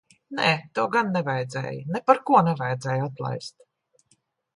Nē, to gan nevajadzēja. Neparko nevajadzēja atlaist.